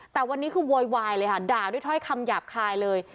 แต่วันนี้คือโวยวายเลยค่ะด่าด้วยถ้อยคำหยาบคายเลย